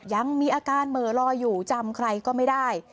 ยังมีอาการเหม่อลอยอยู่จำใครก็ไม่ได้